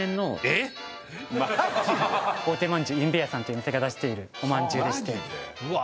大手饅頭伊部屋さんというお店が出しているおまんじゅうでしてうわ